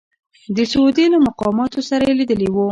د سعودي له مقاماتو سره یې لیدلي وو.